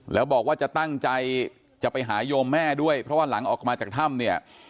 แล้วบอกว่าจะตั้งใจจะไปหาโยมแม่ด้วยเพราะว่าหลังออกมาจากถ้ำเนี่ย